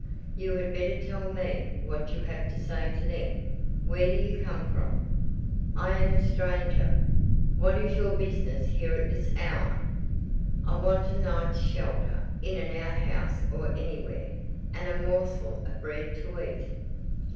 "You had better tell me what you have to say to them. Where do you come from?" "I am a stranger." "What is your business here at this hour?" "I want a night's shelter in an out house or anywhere, and a morsel of bread to eat."